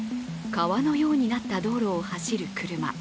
川のようになった道路を走る車。